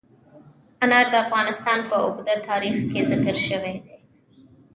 انار د افغانستان په اوږده تاریخ کې ذکر شوی دی.